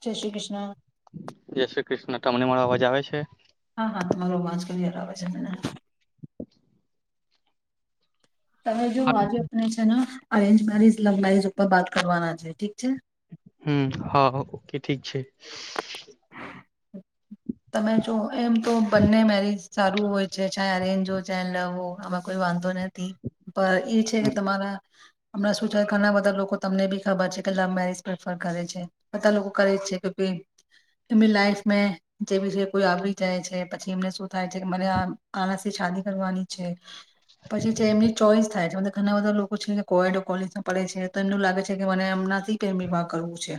સ શ્રી કૃષ્ણ. જય શ્રી કૃષ્ણ ટમણી મા અવાજ આવે છે. હા હા તમારો અવાજ કે યાર આવે છે મને. તમે જો આજે આપને છે ને આચ બારી લગડાી શકો. પર બાત કરવાના છે ઠીક છે. હમ હા. ઠીક છે. તમે જો. એમ તો બંને મેરિજ. સારું હોય છે ચા અરેન્જ હો ચા લવો આમાં કોઈ વાંધો નથી. પર એ છે કે તમારા. હમણાં શું છે ઘણા બધા લોકો તમને બી ખબર છે કે લવ મેરેજ પ્રેફર કરે છે બધા લોકો કરે જ છે કે એમની લાઈફ. જે બ છે કોઈ આવી જાય છે પછી એમને શું થાય છે કે મને આના થી શાદી કરવાની છે પછી જે એમની ચોઈસ થાય છે મ ઘણા બધા લોકો છે કોડો કોલેજમાં પડે છે તો એમનું લાગે છે કે મને એમનાથી પ્રેમ વિવાહ કરવું છે.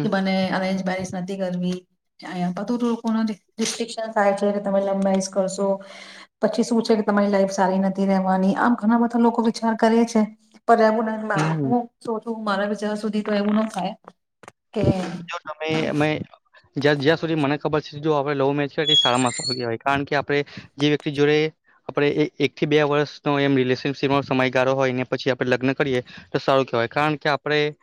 કે મને અરેન્જ બરિસ નથી કરવી. અ બધું લોકો રિસ્ટ્રિકશન થાય છે કે તમે લંબાઈસ કરશો પછી શું છે કે તમારી લાઈફ સારી નથી રવાની આમ ઘણા બધા લોકો વિચાર કરે છે. પર્યામ નહી હું. તું મારા વિચાર સુધી તો એવું ના થાય. કે જો તમે અમે જ જ. સુી મને ખબર છે જો આપે લવ મેરેજ એ સારામાં સારું કહેવાય કારણ કે આપણે જે વ્યક્તિ જોડે આપણે એક થી બે વર્ષનો એમ રિલેશનશીપ સમયગાળો હોય ને પછી આપણે લગ્ન કરીએ તો સારું કેવાય કારણ કે આપડણે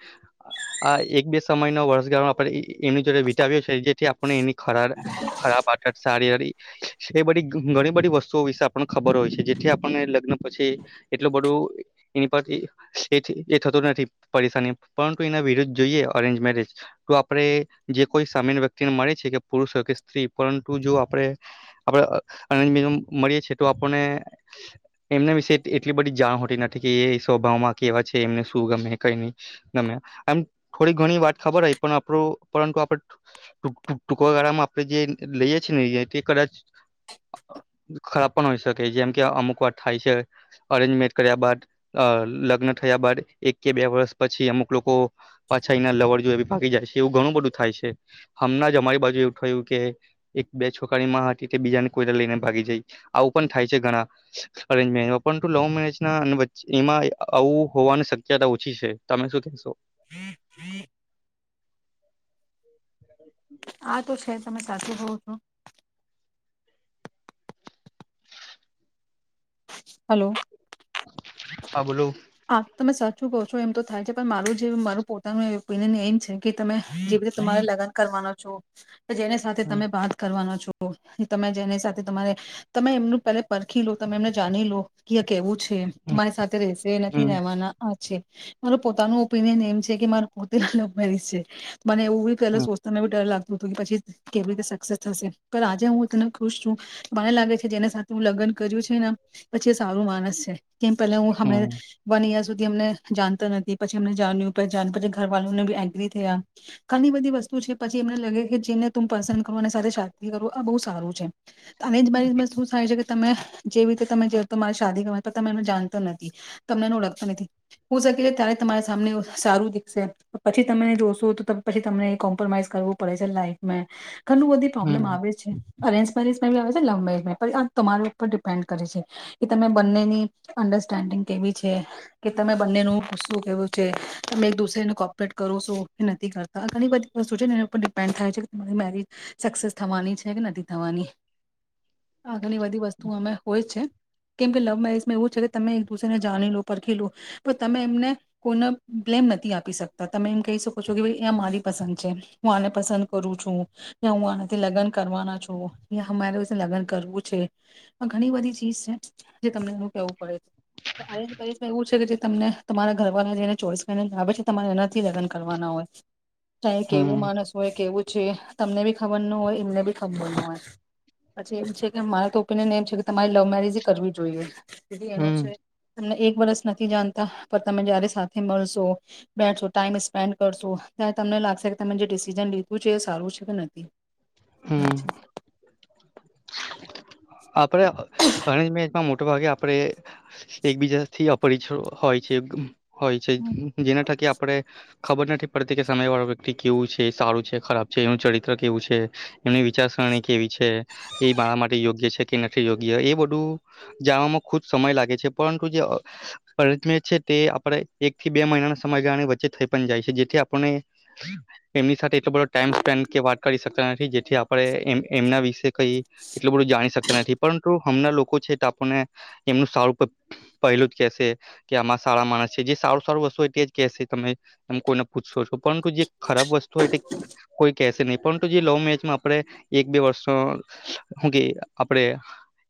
આ એક બે. સમયનો વર્ષગાળો આપણે એની જોડે વિતાવ્યો છે જેથી આપણને એની. ખરા ખરાબ આટ શારી. એ બધી ઘણી બધી વસ્તુઓ વિશે આપડને ખબર હોય છે. જેથી આપડને લગ્ન પછી એટલું બધું એની પરથી એથી એ થતું નથી પરેશાની. પરંતુ એના વિરુદ્ધ જઈએ અરેન્જ મેરેજ તો આપડે જે કોઈ સામેન વ્યક્તિને મળે છે. કે પુરુષ હોય કે સ્ત્રી પરંતુ જો આપડે આપડ [inaudible] મળીએ છીએ. તો આપને એમના વિશે એટલી બધી જાણ હોતી નથી. કે એ સ્વભાવમાં કેવા છે. એમને શું ગમે કઈ નહી ગમે એમ થોડી ઘણી વાત ખબર હોય પણ આપડુ પરંતુ આપડે ટૂંક ટૂંક ટૂંકા ગાળામાં આપડે જે લઈએ છીએ ને એથી કદાચ ખરાબ પણ હોય શકે જેમ કે અમુક વાર થાય છે. અરેન્જમેરેજ કર્યા બાદ. લગ્ન થયા બાદ એક કે બે વર્ષ પછી અમુક લોકો પાછા ઈના લવર જોડે ભી ભાગી જાય છે. એવું ઘણું બધું થાય છે. હમણાં જ અમારી બાજુ એવું થયું કે એક-બે છોકરાની માં હતી. તે બીજાને કોઈને લઈને ભાગી જઈ. આવું પણ થાય છે ઘણા અરેજ [unintelligible] પરંતુ લવ મેરેજના એમાં આવું હોવાની શક્યતા ઓછી છે. તમે શું કહેશો? [inaudible] આ તો છે તમે સાચુ કઉ છો. હલો. હા બોલો. હા તમે સાચું કહો છો એમ તો થાય છે. પણ મારું જે મારું પોતાનું ઓપિનિયન એમ છે કે તમે જે રીતે તમારે લગ્ન કરવાનો છો જેને સાથે હમ તમે બાત કરવાનો છો. તમે જેની સાથે તમારે તમે એમનું પેલા પરખી લો. તમે એમને જાણી લો કે એ કેવું છે. તેમ તમારી સાથે રહેશે ને થી હમ રહેવાના આ છે. મારો પોતાનું ઓપિનિયન એમ છે કે માર પોતે લવ મેરેજ છે. મને એવું બી પેલું હમ સોચતે ને ભી ડર લાગ તુ તુન પછી કેવી રીતે સક્સેસ થશે. પણ આજે હું એકદમ ખુશ છું. બાર લાગે છે જેને સાથે હું લગ્ન કર્યું છે ને પછી એ સારું માણસ છે. કેમ પેલા હું હમને હમ અહીંયા સુધી એમને જાણતી નતી. પછી એમને જાણ્યું પેચાન પછી ઘર વાલાને બી એગ્રી થયા. ખાલી બધી વસ્તુ છે પછી એમને લાગે કે જેને તુમ પસંદ કરવા ને સાથે શાદી કરું આ બઉ સારું છે. અરેન્જ મેરેજમાં શું થાય છે કે તમે જેવી રીતે તમે જે તમારી શાદી [unintelligible] તમે એમને જાણતા નથી. તમને એને ઓળખતા નથી. હો શકે ત્યારે તમારે સામને સારું દીખશે. પર પછી તમે જોશો તો પછી તમને કોમ્પ્રોમાઈઝ કરવું પડે છે લાઈફમે ઘણી બધી પ્રોબ્લેમ હમ આવે છે. અરેન્જ મેરેજ [unintelligible] આવે છે લવ મેરેજમાં. આ તમારી ઉપર ડિપેન્ડ કરે છે કે તમે બંનેની અન્ડરસ્ટેન્ડિંગ કેવી છે. કે તમે બંનેનું શું કેવું છે. તમે એક દુસરેને કોપરેટ કરો શો કે નથી કરતા. આ ઘણી બધી વસ્તુ છે ને એના ઉપર ડિપેન્ડ થાય છે કે તમારી મેરેજ સક્સેસ થવાની છે કે નથી થવાની. આ ઘણી બધી વસ્તુ અમે હોય જ છે કેમ કે લવ મેરેજમાં એવું છે કે તમે [unintelligible] ને જાણી લો પરખી લો. પણ તમે એમને કોઈ ન બ્લેમ નથી આપી શકતા. તમે એમ કહી શકો છો કે ભઈ આ મારી પસંદ છે. હું આને પસંદ કરું છું. યા હું આનાથી લગ્ન કરવાના છું. યા અમારે વિશે લગ્ન કરવું છે. આ ઘણી બધી ચીજ છે જે તમને એનું કેવું પડે છે. [unintelligible] માં એવું છે કે તમને તમારા ઘરવાળા જેને ચોઈસ કરીન આવે છે. તમારે એના લગન કરવાના હોય. ચાહે કેવું હમ માણસ હોય કેવું છે તમને બી ખબર ન હોય એમને બી ખબર ન હોય. પછી એમ છે કે મારે તો opinion M [unintelligible] my love marriage કરવી જોઈએ તેદી એનું છે. હમ તમને એક વરસ નથી જાણતા. પણ તમે જયારે સાથે મળશો. બેઠો ટાઈમ સ્પેન્ડ કરશો. ત્યાર તમને લાગશે કે તમે જે ડિસિઝન લીધું છે એ સારું છે કે નથી. હમ અચછા. આપડે અ અરેન્જ મેરેજમાં મોટે ભાગે આપડે એકબીજાથી અપરિચ હોય છે હોય છે. જેના થકી આપડે ખબર નથી પડતી કે સામે વાળો વ્યક્તિ કેવું છે. સારું છે, ખરાબ છે, એનું ચરિત્ર કેવું છે, એની વિચારસરણી કેવી છે, એ મારા માટે યોગ્ય છે યોગ્ય એ બધું જાણમાં ખુબ સમય લાગે છે પરંતુ જે છે તે આપણે એક થી બે મહિનાના સમય ગાણે વચ્ચે થઈ પણ જાય છે જેથી આપણે એમની સાથે એટલો બો ટાઈમ સ્પેન્ડ કે વાત કરી શકતા નથી જેથી આપણે એમના વિશે કઈ એટલ બધું જાણી શ. નથી પરંતુ હમણાં લોકો છે તો આપણને એમનું સારું પહેલું જ કેહેશે કે આમાં સારા માણસ છે જે સારું સારું વસ્તુ હોય તે જ કેહેશે તમે એ કોઈને પૂછશો છો પરંતુ જે ખરાબ વસ્તુ હોય કોઈ કેહેશે નહીિ પરંતુ જે લવ મેરેજમાં આપણે એક બે વર્ષનોું કે. આપણે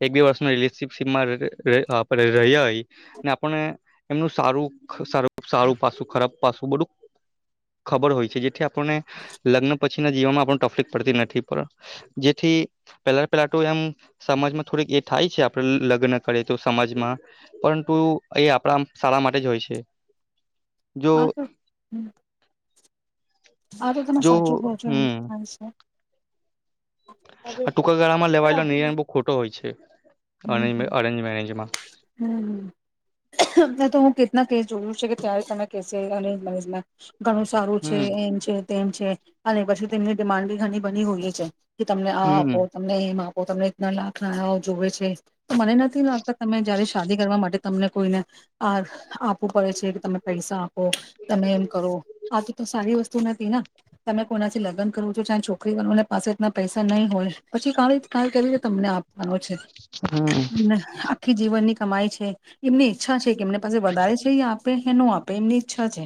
એક બે વર્ષના રિલેશનશીપમાં રહ્યાય ને આપને એમનું સારું સારું સારું પાસું ખરાબ પાસું બધું ખબર હોય છે જેથી. લગ્ન પ. પછી ના જીવનમાં આપ તકલીફ પડતી નથી પણ જેથી પેલા પેલા એમ. સમાજમાં થોડીક એ થાય છે આપડ લગ્ન કરે તો સમાજમાં પરંતુ એ આપણા શાળા માટે જ હોય છે. જો હ સર હ. હા તો તમે જો સાચું બહો છો એમ હમ થાય છે. આ ટૂંકા ગાળામાં અરે લેવાયેલા નિ આપી દે. બહ ખોટો હોય છે. હમ અરન્જ હમ અરન્જ મે. જમાં. [unintelligible] હમ તો હું કેટના કેસ જોયું છે કે ત્યારે તમે કેસે અને લ. ઘણું સારું છે હમ એમ છે. તેમ છે અને પછી તેમની ડિમાન્ડ બી ઘણી બની હોય છે. કે તમને આ હમ આપો તમને એમ તમને [unintelligible] જોવે છે તો મને નથી લાગતા તમે જયારે શાદી કરવા માટે તમને કોઈને આ આપવું પડે છે. કે તમે પૈસા. તમે એમ કહો આ તો તો સારી વસ્તુ. નથી તમે કોનાથી લગ્ન કરવો છો ચ છોકરી [unintelligible] પૈસા ન હઈ હોય. પછી કાવે કાઈ. કરી તમને આપવાનો છે. હમ આખી જીવનની કમાઈ છે. એમની અચ્છા છે કે એમને પાસે વધારે છે યા આપે એનું આપે એમની ઈચ્છા છે.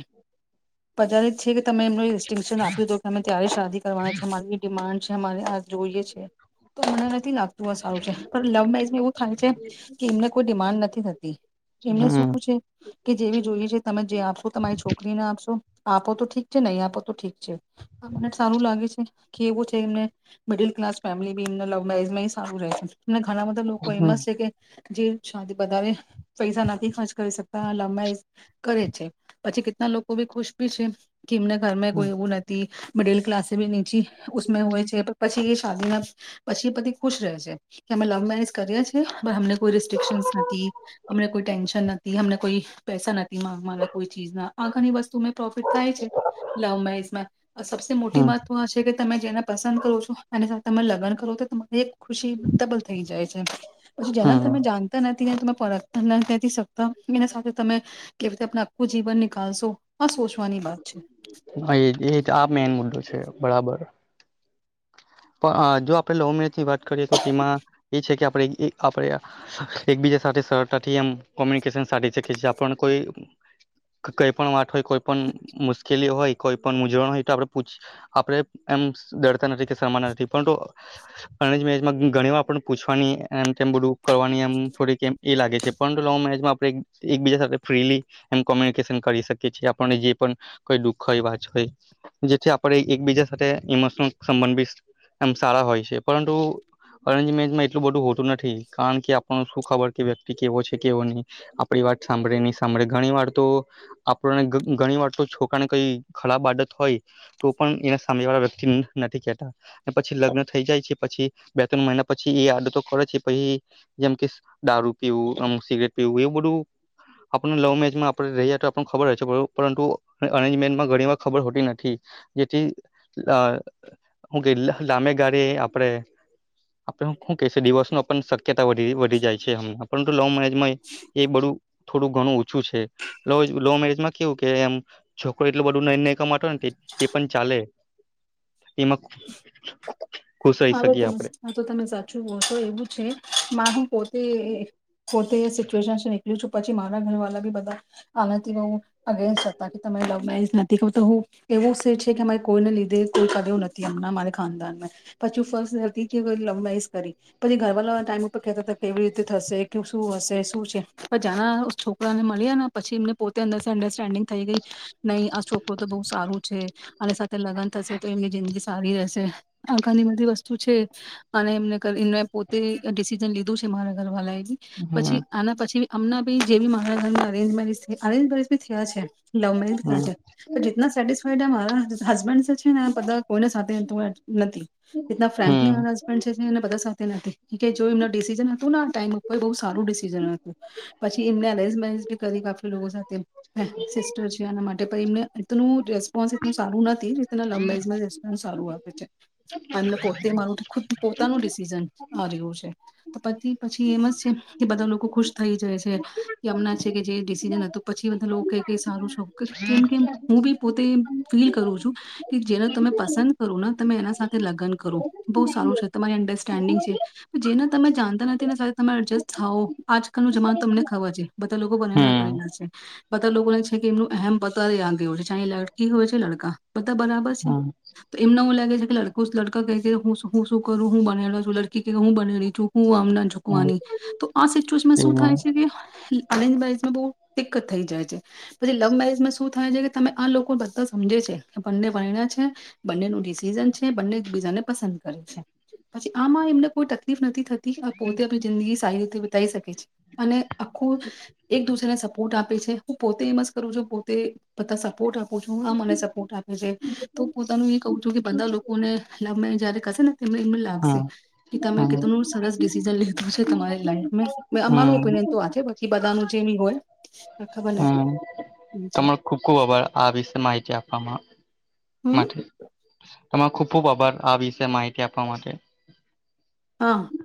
પજારિત છે કે તમે એમનું ઈસ્ટિંટયુશન આપીધો કે તમે ત્યારે શાદી કરવાની છે અમારી ડિમાન્ડ [unintelligible] જોઈએ છે. તો મને નથી લાગતું આ સારું છે પણ લવ મેરેજમાં એવું થાય છે કે એમને કોઈ ડિમાન્ડ નથી થતી. એમને હમ શું છે કે જેવી જોઈએ છે તમે જે આપશો તમારી છોકરીને આપશો આપો તો ઠીક છે નઈ આપો તો ઠીક છે. અમને સારું લાગે છે કે એવું છે એમને મિડલ ક્લાસ ફેમિલી [unintelligible] લવ મેરેજમાં સારું રહે છે. ઘણા બધા લોકો હમ એમસ છે કે જે શાદી બધાવે પૈસા નથી ખર્ચ કરી શકતા લવ મેરેજ કરે છે. પછી કેટલા લોકો ભી ખુશ ભી છે કે એમને ઘરમે કોઈ એવું નથી મિડિલ કલાસ [unintelligible] નીચી [unintelligible] હોય છે પછી [unintelligible] પછી પતિ ખુશ રહે છે કે અમે લવ મેરેજ કરીએ છીએ. [unintelligible] કોઈ રિસ્ટ્રિકશન્સ નથી અમને કોઈ ટેન્શન નથી. હમને કોઈ પૈસા ના મને કોઈ ચીજ ના આ ઘણી વસ્તુમે પ્રોફિટ થાય છે. લવ મેરેજ મા સબસે મોટી હમ વાત તો આ છે કે તમે જેને પસંદ કરો છો અને તમે લગન કરો તો તમારે એક ખુશી ડબલ થઈ જાય છે. પછી જેનલ હમ તમે જાણતા નથી તમે પારખતા નથી શકતા એના સાથે તમે કેવી રીતે આપનું આખું જીવન નીકાલશો આ સોચવાની વાત છે. હ એ જ આ મેન મુદ્દો છે. બરાબર. પણ જો આપણેે લવ મેરેજ ની વાત ખડીશો ટીમા એ છે કે આ આપણે એકબીજા સાથે સરતાથી એમ કોમ્યુનિકેશન સાઢી શકીએ છીએ આપણ કોઈ કઈ પણ વાત હોય કોઈ પણ મુશ્કેલી હોય કોઈ પણ ઉઝવણ હોય તો આપછ આપણેે એમ ડરતા નથી કે સમાનાર્થી પરંતુ અરેંજ મેરેજમાં ઘણી વા આપ પૂછવાની એમ તેમ બધું કરવાની એમ થોડીકમ એ લાગે છે પણ લવ મેરેજમાં આપ એકબીજા સાથે ફ્રીલી એમ કોમ્યુનિકેશન કરી શકીએ છીએ આપને જે પણ કોઈ દુખ હોય વાત હોય જેથી આપણે એકબીજા સાથે ઇમોશનલ સંબંધભી એમ સારા હોય છે પરંતુ અરેંજ મેરેંજ માં એટલું બધું હોતું નથી. ઠીક કારણ કે આપ શું ખબર કે વ્યક્તિ કેવો છે કેવો નહી આપણી વાત સાંભળે નહી સાંભળે ઘણી વાર તો આપણને ઘણી વાર તો છોકરાને કોઈ ખરાબ આદત હોય તો પણ એને સાંમે વાળા વ્યક્તિ નથી કેહેતા. પછી લગ્ન થઈ જાય છે પછી બે ત્રણ મહિના પછી એ આદતો કરે છે પછી જેમ કે દારૂ પીવુ અમુક સિગરેટ પીવું એવું બધું આપ લવ મેરેજમાં આપ રહ્યા તો આપને ખબર હો છે પરંતુ અરેન્જ મેરેજ માં ઘણી વાર ખબર હોતી નથી જેથી શું કે લાંબે ગાળે આપડે આપને હું કે છે દિવસ નો પણ [unintelligible] જય છે હણા. પરંતુ લવ મેરેજ ય એ બડું થોડું ઘણું છું છે લવ મેરેજમાં કેવું કે એમ છોકરો એટું બધું ન ન કમા તે પણ ચાલે. એમાં [inaudible] ખુશ રહી હવે ત શકીએ આપણે આ તો તમે સાચું હોહ તો એવું છે મારું પોતે પોતે સિચ્યુએશન નીકળી છું પછી મારા ઘર વાલા બી બધા આનાથી હું અગેન્સ્ટ હતા. તમે લવ મેરીજ નથી કહ તો હું એવું સિર છે કે અમારે કોઈને લીધે કોઈ કદ નથી હમણાં અમા ખાનદાન મે પછી હું ફર્સ્ટ હતી કે લવ મેરીજ કરી પછી ઘરવાલા ટાઈમ ઉપર કહેતા હતા કેવી રીતે થશે કે શું હશે શું છે પણ જાના છોકરાને મળ્યા ને પછી એમને પોતે અંદર અન્ડરસ્ટેન્ડિંગ થઈ ગઈ નહીં આ છોકરો તો બહુ સારું છે અને સાથે લગ્ન થશે તો એમની જિંદગી સારી રહેશે ઘણી બધી વસ્તુ છે અને એમને પોતે ડિસિજન લીધું છે મારા ઘરવાળા એ પછી હમ આના પછી. અમં બી જેી મારા ઘરના અરેન્જ મેરીજ અરેન્જ મેરેજ બી થયા છે. લવ મે ખ તો હમ જ સેટિસ્ફાઈડ હ. હસબન્ડ છે ને બધા કોઈને સાથે નથી. એના ફ્રન્કલી હમ મારા હસબન્ડ છે. એ બધા સાથે નથી કે જો એમના ડિસિઝન હતું આ ટાઈમ ઉપર બહ સારું ડિસિઝન હતું પછી એમને અરેન્જ મેજી કરી કાફલી લોકો સાથે સિસ્ટર છે એના માટે પણ એમને એનું રેસ્પોન્સ એલ સારું નથીીતના લંબરેજ રસ્પોન્ સારું આવે છે. એમને પોતે મારું ખુદ પોતાનું ડિસિઝન આવ્યું છે તો પછી પછી એમ જ છે કે બધા લોકો ખુશ થઈ જાય છે કે અમનાં છે કે જે ડિસિઝન હતું પછી બધા લોકો ક સારું છો કેમ કેમ હું બી પોતે ફીલ કરું છું કે જેને તમે પસંદ કરું ને તમે એના સાથે. લગ્ન કરો બહુ સારું છે તમારી અંડરસ્ટેન્ડિંગ છે જેને તમે જાણતા નથી એને સાથે તમે એડજસ્ટ થાવો આજકાલ ન જમાન તમને ખબર છે બધા લોકો પરણા હમ કરેલા છે બધા લોકોને છે કે એમનું એમ પતા આ ગ છે ચ લડકી હોય છે લડકા. બધા બરાબર છે હમ તો એમને એવું લાગે. [inaudible] લડકા ક હું હું શું કરું હું બનેલા છું લડકી કે હું બને છું હમ હું. તો તે શ હમ થાય છે. બહ દિકકત થઈ જાય છે પછી લવ મેરેજમાં શું થાય છે કે તમે આ લોકો બધા સમજે છે કે બંને વર્ણ છે બંનેનું ડિસિઝન છે. બને એકબજાને પસંદ કરે છે પછી આમાં એમને કોઈ તકલીફ નથી થતી. પોતે જિંદગી સાહિતીતે. બતાઈ શકે છે અને. આખું એક દુસરેને સપોર્ટ આપે છે હું પોતે એમ જ. કરું છ પોતે બધા સપોર્ટ આપ. મને સપોર્ટ આપે છે તો પોતાનું એ ક છ કે બધા. અને. [unintelligible] તમે જયારે કસન. ને એમને લાગશે કે તમે કેટલ સરસ ડિસિઝન લીધું છે તમારી લાઈફ હમ અમાર ઓપિનિયન તો આ છે બાકી બધાનું જે એ હોય. આ ખબર નથી હમ છે તમાને ખુબ ખુબ આભાર આ વિશે માહિતી આપવામાં. હમ માથે. [unintelligible] તમારે ખુબ ખૂબ આભાર આ વિશે માહિતી આપવા માટે. હા. [unintelligible]